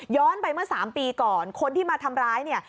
ไปเมื่อ๓ปีก่อนคนที่มาทำร้ายเนี่ย